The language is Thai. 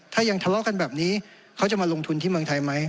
ถ้ายังทะเลาะกันแบบนี้เขาจะมาลงทุนที่เมืองไทยไหม